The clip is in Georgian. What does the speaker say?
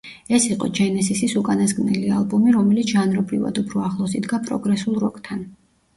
ეს იყო ჯენესისის უკანასკნელი ალბომი, რომელიც ჟანრობრივად უფრო ახლოს იდგა პროგრესულ როკთან.